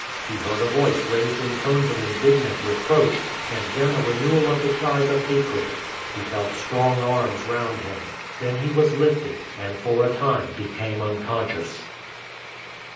He heard a voice raised in tones of indignant reproach, and then a renewal of the cries of hatred. He felt strong arms round him; then he was lifted, and for a time became unconscious.